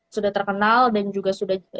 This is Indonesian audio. sudah terkenal dan juga sudah